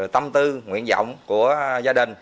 tâm tư nguyện vọng của gia đình